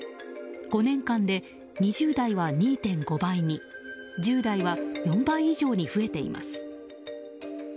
５年間で２０代は２．５倍に１０代は４倍以上に増えています。